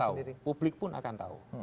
presiden akan tahu publik pun akan tahu